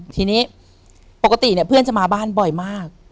ทีนี้ปกติเนี่ยเพื่อนจะมาบ้านบ่อยมาก